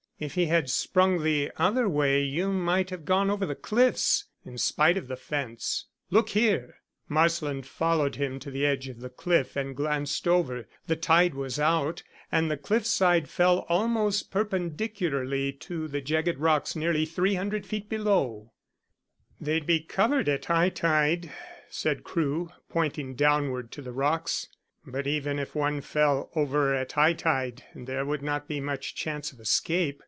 "If he had sprung the other way you might have gone over the cliffs, in spite of the fence. Look here!" Marsland followed him to the edge of the cliff and glanced over. The tide was out, and the cliffside fell almost perpendicularly to the jagged rocks nearly 300 feet below. "They'd be covered at high tide," said Crewe, pointing downward to the rocks. "But even if one fell over at high tide there would not be much chance of escape.